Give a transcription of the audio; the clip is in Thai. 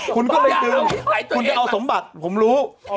คุณก็เลยดึงคุณจะเอาสมบัติผมรู้